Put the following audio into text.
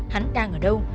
hắn đang ở đâu